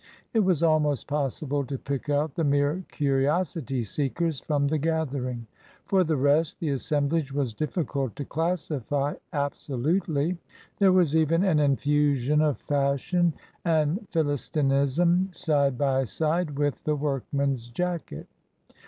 It was almost possible to pick out the mere curiosity seekers from the gathering. For the rest, the assemblage was difficult to classify absolutely ; there was even an infusion of fashion and Philistinism side by side with the workman's jacket.